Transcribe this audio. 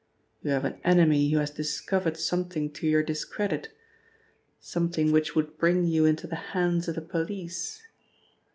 You have an enemy who has discovered something to your discredit, something which would bring you into the hands of the police.